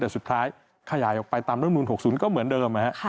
แต่สุดท้ายขยายออกไปตามรวมดูน๖๔๐ก็เหมือนเดิม